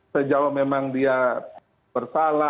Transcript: sejauh memang dia bersalah